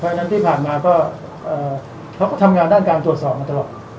เพราะฉะนั้นที่ผ่านมาก็เขาก็ทำงานด้านการตรวจสอบมาตลอด